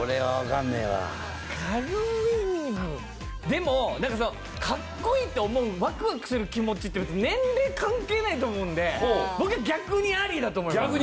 でもなんかかっこいいと思うワクワクする気持ちって別に年齢関係ないと思うんで僕は逆にアリだと思います。